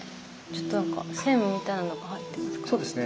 ちょっと何か線みたいなのが入ってますが。